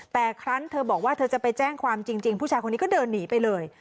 แต่ครั้งเธอบอกว่าเธอจะไปแจ้งความจริงผู้ชายคนนี้ก็เดินหนีไปเลย